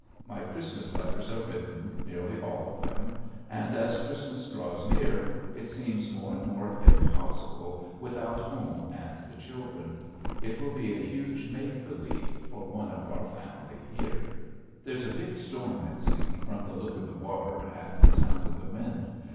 My Christmas letters are written, nearly all of them. And as Christmas draws near it seems more and more impossible without home and the children. It will be a huge make believe for one of our family here! [Illustration: ROCKWELL'S DREAM] There's a big storm at sea from the look of the water and the sound of the wind.